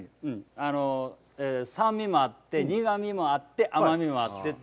酸味もあって、苦みもあって、甘みもあってって。